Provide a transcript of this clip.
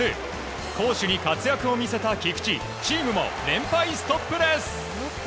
攻守に活躍を見せた菊池チームも連敗ストップです。